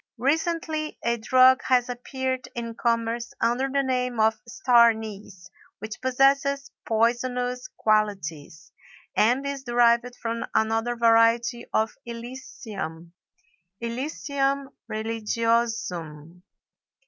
Recently a drug has appeared in commerce under the name of star anise which possesses poisonous qualities, and is derived from another variety of Illicium (Illicium religiosum).